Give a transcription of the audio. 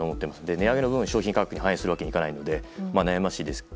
値上げ分を商品価格に反映することはできないので悩ましいです。